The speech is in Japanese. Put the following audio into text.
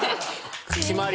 決まり！